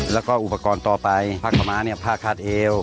แล้วก็อุปกรณ์ต่อไปผ้ากระม้าผ้าคาดเอว